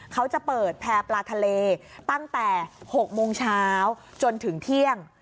เขาจะเปิดแพร่ปลาทะเลตั้งแต่๖โมงเช้าจนถึงเที่ยง